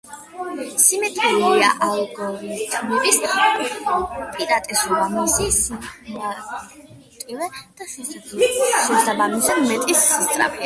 სიმეტრიული ალგორითმების უპირატესობა მისი სიმარტივე და შესაბამისად მეტი სისწრაფეა.